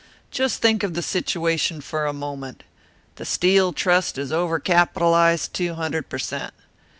Just think of the situation for a moment. The Steel Trust is over capitalised two hundred per cent.